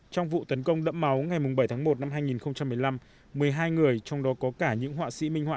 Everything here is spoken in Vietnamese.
trong vụ tấn công đẫm máu ngày bảy tháng một năm hai nghìn một mươi năm một mươi hai người trong đó có cả những họa sĩ minh họa